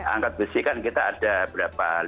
angkat besi kan kita ada berapa